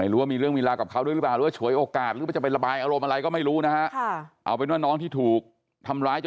น้องก็นัดใจทำอะไรกันนะไปตกกันเหรอ